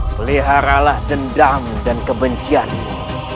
peliharalah dendam dan kebencianmu